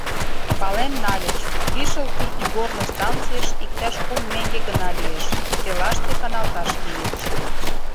Пален нальыч: лишыл кӱртньыгорно станцийыш иктаж кум меҥге гына лиеш, селаште каналташ лийыч.